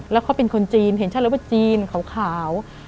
แล้วเขาเป็นคนจีนเห็นชัดเลยว่าจีนขาว